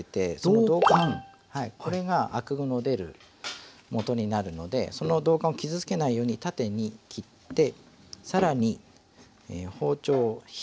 はいこれがあくの出るもとになるのでその道管を傷つけないように縦に切って更に包丁を引いて切ります。